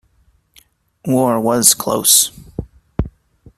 War was close.